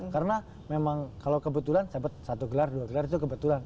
karena memang kalau kebetulan saya bet satu gelar dua gelar itu kebetulan